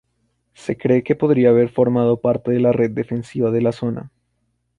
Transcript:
Se cree que podría haber formado parte de la red defensiva de la zona.